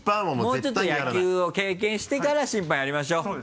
もうちょっと野球を経験してから審判やりましょう。